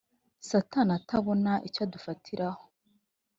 satani atabona icyo adufatiraho